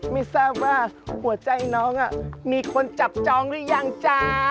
ไม่ทราบว่าหัวใจน้องมีคนจับจองหรือยังจ้า